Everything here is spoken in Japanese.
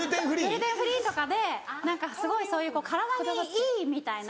・グルテンフリーとかで何かすごいそういう体にいいみたいな。